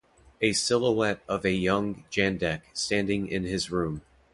A silhouette of a young Jandek, standing in his room.